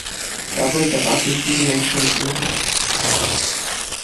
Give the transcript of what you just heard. Dabei geraten diese Menschen ins Internet.